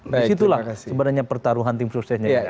di situlah sebenarnya pertaruhan tim suksesnya